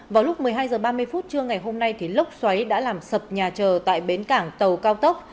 vào lúc một mươi hai h ba mươi phút trưa ngày hôm nay lốc xoáy đã làm sập nhà trờ tại bến cảng tàu cao tốc